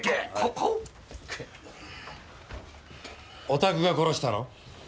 おたくが殺したの？